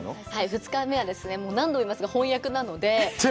２日目はですね、何度も言いますが本厄なので。